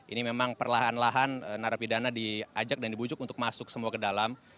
ini memang perlahan lahan narapidana diajak dan dibujuk untuk masuk semua ke dalam